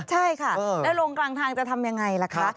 ใช่ค่ะแล้วลงกลางทางจะทำยังไงล่ะคะ